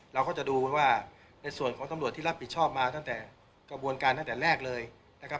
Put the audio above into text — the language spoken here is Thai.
เราก็จะดูว่าในส่วนของตำรวจที่รับผิดชอบมาตั้งแต่กระบวนการตั้งแต่แรกเลยนะครับ